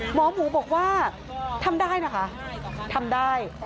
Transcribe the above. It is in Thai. หมอหมูบอกว่าทำได้นะคะทำได้